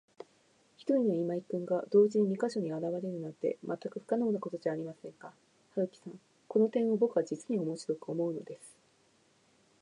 ひとりの今井君が、同時に二ヵ所にあらわれるなんて、まったく不可能なことじゃありませんか。春木さん、この点をぼくは、じつにおもしろく思うのです。